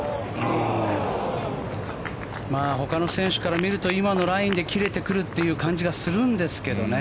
ほかの選手から見ると今のラインで切れてくるという感じがするんですけどね。